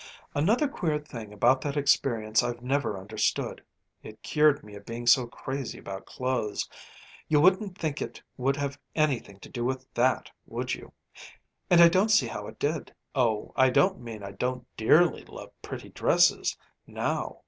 "Another queer thing about that experience I've never understood: it cured me of being so crazy about clothes. You wouldn't think it would have anything to do with that, would you? And I don't see how it did. Oh, I don't mean I don't dearly love pretty dresses now.